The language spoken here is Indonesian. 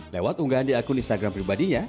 lewat unggahan di akun instagram pribadinya